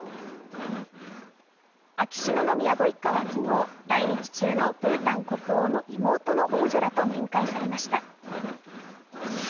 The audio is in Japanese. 秋篠宮ご一家は昨日来日中のブータン国王の妹の王女らと面会されました。